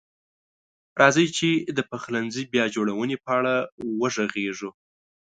راځئ چې د پخلنځي بیا جوړونې په اړه وغږیږو.